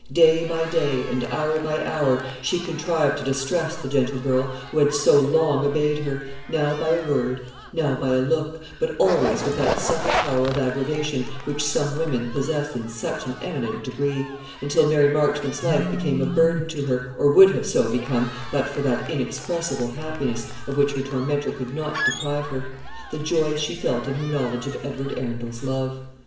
Day by day, and hour by hour, she contrived to distress the gentle girl, who had so long obeyed her, now by a word, now by a look, but always with that subtle power of aggravation which some women possess in such an eminent degree until Mary Marchmont's life became a burden to her, or would have so become, but for that inexpressible happiness, of which her tormentor could not deprive her, the joy she felt in her knowledge of Edward Arundel's love.